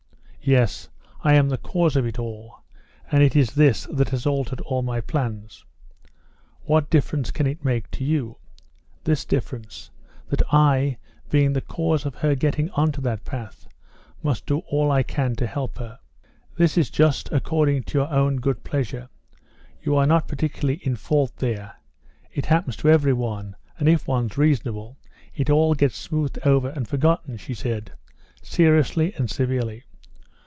"Yes, I am the cause of it all; and it is this that has altered all my plans." "What difference can it make to you?" "This difference: that I, being the cause of her getting on to that path, must do all I can to help her." "That is just according to your own good pleasure; you are not particularly in fault there. It happens to every one, and if one's reasonable, it all gets smoothed over and forgotten," she said, seriously and severely.